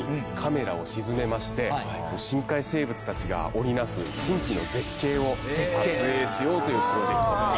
深海生物たちが織りなす神秘の絶景を撮影しようというプロジェクト。